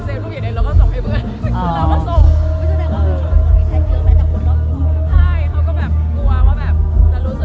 การกดอะไรอย่างนี้ที่แบบดูไม่ให้บุ๊ค